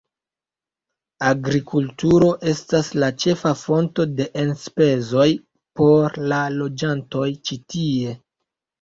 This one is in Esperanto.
Agrikulturo estas la ĉefa fonto de enspezoj por la loĝantoj ĉi tie.